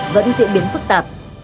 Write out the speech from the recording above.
vẫn diễn biến phức tạp